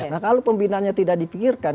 nah kalau pembinaannya tidak dipikirkan